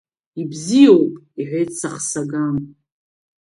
Ибзиоуп, — иҳәеит Сахсаган.